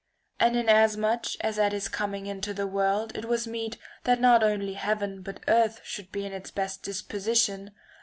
And inasmuch as at his coming into the world it was meet that not only heaven but earth should be in its best disposition, — and V.